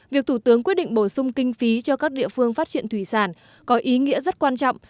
việc thủ tướng quyết định bổ sung kinh phí cho các địa phương phát triển thủy sản có ý nghĩa rất quan trọng